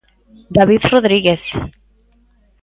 David Rodríguez.